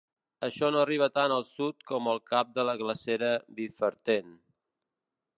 Això no arriba tant al sud com el cap de la glacera Biferten.